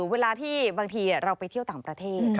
เวลาที่บางทีเราไปเที่ยวต่างประเทศ